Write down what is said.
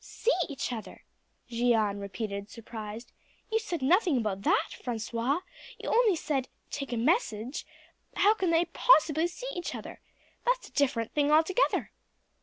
"See each other!" Jeanne repeated surprised. "You said nothing about that, Francoise; you only said take a message. How can they possibly see each other? That's a different thing altogether."